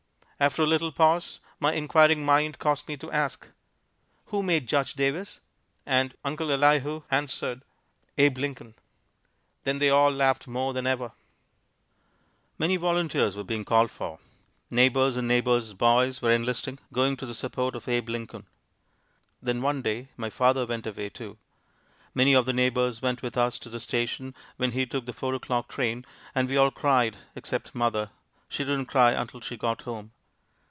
After a little pause my inquiring mind caused me to ask, "Who made Judge Davis?" And Uncle Elihu answered, "Abe Lincoln." Then they all laughed more than ever. Many volunteers were being called for. Neighbors and neighbors' boys were enlisting going to the support of Abe Lincoln. Then one day my father went away, too. Many of the neighbors went with us to the station when he took the four o'clock train, and we all cried, except mother she didn't cry until she got home.